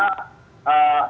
buat kemasan ini